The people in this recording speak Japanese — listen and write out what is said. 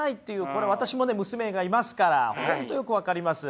これ私もね娘がいますから本当よく分かります。